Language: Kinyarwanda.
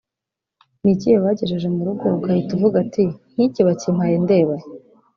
ni ikihe bagejeje mu rugo ugahita uvuga uti nk’iki bakimpaye ndeba he